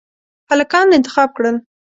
هلکان انتخاب کړل.